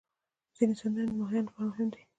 ځینې سیندونه د ماهیانو لپاره مهم دي.